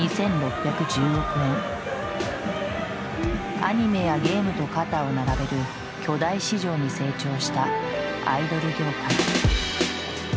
アニメやゲームと肩を並べる巨大市場に成長したアイドル業界。